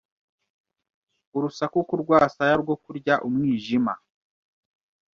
urusaku Ku rwasaya rwo kurya umwijima